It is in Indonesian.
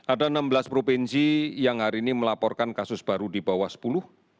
ada enam belas provinsi yang hari ini melaporkan kasus baru di bawah sepuluh